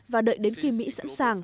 và đợi đến khi mỹ sẵn sàng